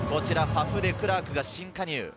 デクラークが新加入。